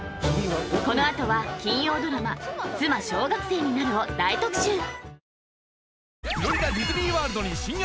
このあとは金曜ドラマ「妻、小学生になる。」を大特集